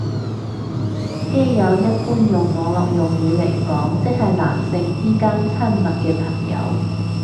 基友用一般網絡用語嚟講即係男性之間親密嘅朋友